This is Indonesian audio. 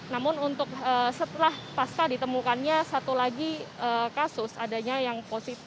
namun untuk setelah pasca ditemukannya satu lagi kasus adanya yang positif